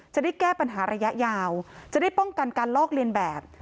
จะได้แก้ปัญหาระยะยาวจะได้ป้องกันการลอกเลียนแบบ